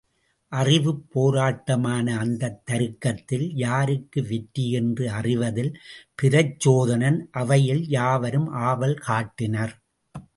அறிவுப் போராட்டமான அந்தத் தருக்கத்தில் யாருக்கு வெற்றி என்று அறிவதில் பிரச்சோதனன் அவையில் யாவரும் ஆவல் காட்டினர்.